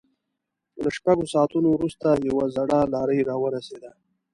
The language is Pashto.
له شپږو ساعتونو وروسته يوه زړه لارۍ را ورسېده.